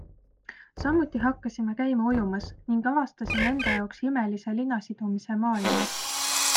Samuti hakkasime käima ujumas ning avastasin enda jaoks imelise linasidumise maailma.